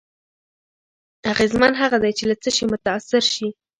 اغېزمن هغه دی چې له څه شي متأثر شي.